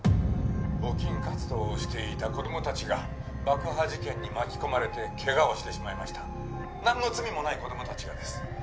募金活動をしていた子供たちが爆破事件に巻き込まれてケガをしてしまいました何の罪もない子供たちがです